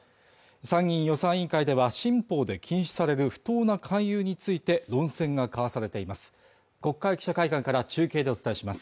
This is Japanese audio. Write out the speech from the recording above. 参議院予算委員会では新法で禁止される不当な勧誘について論戦が交わされています